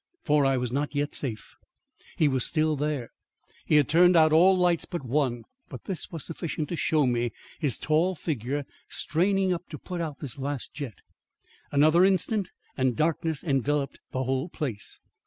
For I was not yet safe. He was still there. He had turned out all lights but one, but this was sufficient to show me his tall figure straining up to put out this last jet. Another instant and darkness enveloped the whole place.